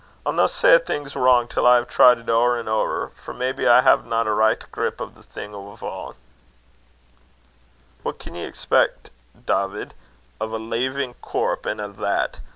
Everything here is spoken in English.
I'll no say a thing's wrang till I hae tried it ower an' ower; for maybe I haena a richt grip o' the thing ava." "What can ye expec, Dawvid, o' a leevin' corp, an' a' that?